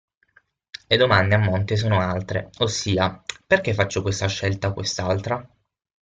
Le domande a monte sono altre, ossia, perché faccio questa scelta o quest'altra?